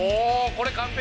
これ完璧！